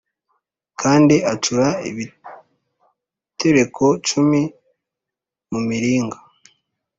Kandi acura ibitereko cumi mu miring